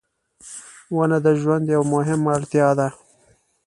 • ونه د ژوند یوه مهمه اړتیا ده.